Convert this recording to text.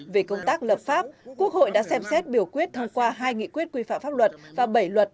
về công tác lập pháp quốc hội đã xem xét biểu quyết thông qua hai nghị quyết quy phạm pháp luật và bảy luật